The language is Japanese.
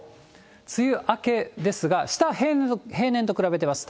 梅雨明けですが、下、平年と比べてます。